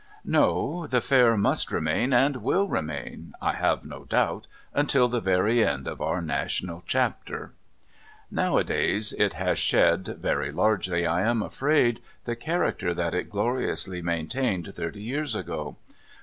No, the fair must remain and will remain, I have no doubt, until the very end of our national chapter. Nowadays it has shed, very largely, I am afraid, the character that it gloriously maintained thirty years ago.